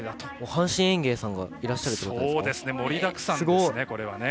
阪神園芸さんがいらっしゃるってことですか。